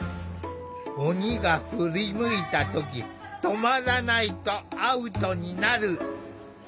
オニが振り向いた時止まらないとアウトになる。